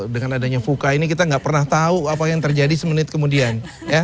dengan adanya vuka ini kita nggak pernah tahu apa yang terjadi semenit kemudian